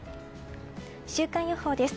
週間予報です。